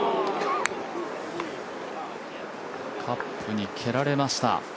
カップに蹴られました。